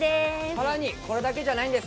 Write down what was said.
更にこれだけじゃないんです。